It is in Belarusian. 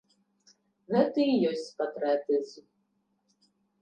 Гэта і ёсць патрыятызм.